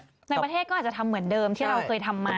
ในประเทศก็อาจจะทำเหมือนเดิมที่เราเคยทำมา